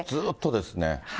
ずっとですね。